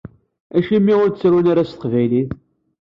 Acimi ur ttarun ara s teqbaylit?